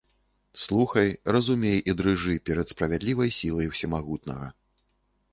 Слухай, разумей і дрыжы перад справядлівай сілай усемагутнага.